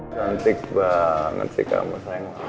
cantik banget sih kamu